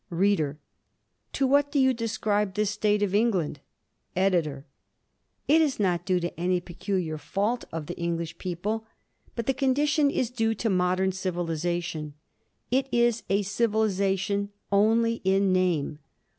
READER: To what do you ascribe this state of England? EDITOR: It is not due to any peculiar fault of the English people, but the condition is due to modern civilization. It is a civilization only in name.